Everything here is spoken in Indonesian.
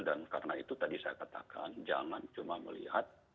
dan karena itu tadi saya katakan jangan cuma melihat